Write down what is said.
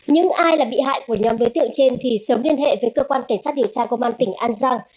những ai là bị hại của nhóm đối tượng trên thì sớm liên hệ với cơ quan cảnh sát điều tra công an tỉnh an giang